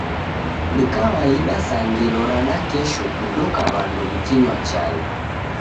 Ni kawaida sa ngelo ra nakesho kudoka w'andu w'ikinywa chai.